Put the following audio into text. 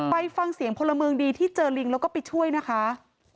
ไปฟังเสียงพลเมืองดีที่เจอลิงแล้วก็ไปช่วยนะคะ